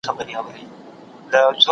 د خندا جنازه ولاړه غم لړلې